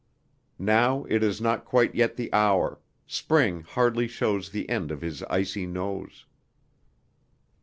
Now it is not quite yet the hour, spring hardly shows the end of his icy nose...."